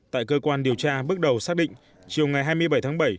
tại cơ quan điều tra bước đầu xác định chiều ngày hai mươi bảy tháng bảy